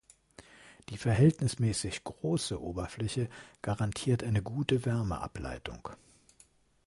Die verhältnismäßig große Oberfläche garantiert eine gute Wärmeableitung.